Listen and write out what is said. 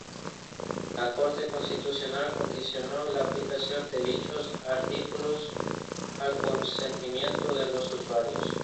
La Corte Constitucional condicionó la aplicación de dichos artículos al consentimiento de los usuarios.